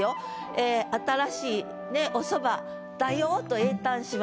ええ新しいお蕎麦だよと詠嘆します。